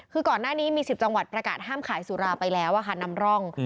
คือก่อนหน้านี้มี๑๐จังหวัดประกาศห้ามขายสุราไปแล้วนำร่อง